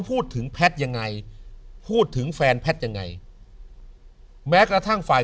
แพทย์ยังไงพูดถึงแฟนแพทย์ยังไงแม้กระทั่งฝ่าย